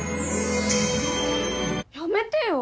やめてよ！